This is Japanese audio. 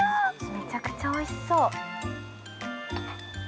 ◆めちゃくちゃおいしそう。